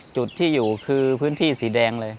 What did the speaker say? จุดที่อยู่คือพื้นที่สีแดงเลย